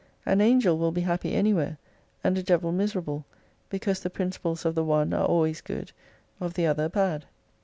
An angel will be happy anywhere, and a devil miser able, because the principles of the one are always good, of the other, bad.